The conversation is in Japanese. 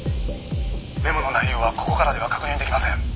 「メモの内容はここからでは確認出来ません」